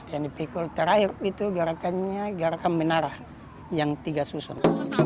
yang dipikul terakhir itu gerakannya gerakan menara yang tiga susun